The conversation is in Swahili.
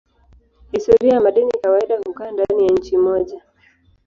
Historia ya madeni kawaida hukaa ndani ya nchi moja.